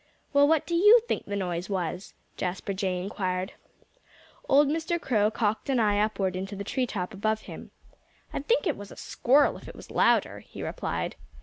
"Well, what do you think the noise was?" Jasper Jay inquired. Old Mr. Crow cocked an eye upward into the tree top above him. "I'd think it was a Squirrel if it was louder," he replied.